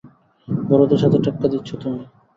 বড়দের সাথে টেক্কা দিচ্ছ তুমি।